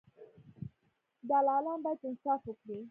دلالان باید انصاف وکړي.